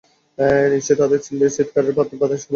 নিশ্চয়ই তাদের চিল-চিৎকারে বাতাস ভারি হয়ে যেত!